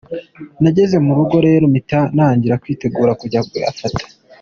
Nageze mu rugo rero mpita ntagira kwitegura kujya kuyafata.